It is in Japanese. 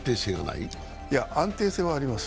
いや、安定性はあります。